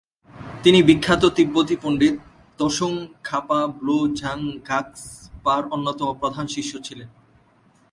তিনি বিখ্যাত তিব্বতী পণ্ডিত ত্সোং-খা-পা-ব্লো-ব্জাং-গ্রাগ্স-পার অন্যতম প্রধান শিষ্য ছিলেন।